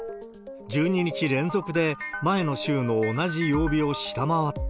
１２日連続で前の週の同じ曜日を下回った。